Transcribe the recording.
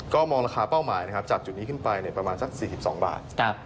ก็มองราคาเป้าหมายนะครับจากจุดนี้ขึ้นไปประมาณสัก๔๒บาท